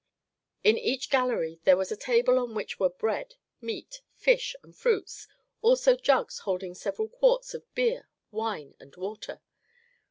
In each gallery there was a great table on which were bread, meat, fish, and fruits, also jugs holding several quarts of beer, wine, and water.